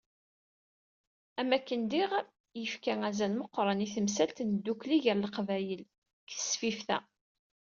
Am wakken diɣ i yefka azal meqqren i temsalt n tdukli gar leqbayel deg tesfift-a.